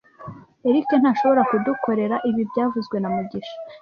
Eric ntashobora kudukorera ibi byavuzwe na mugisha